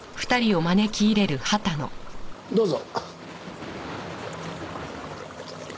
どうぞ。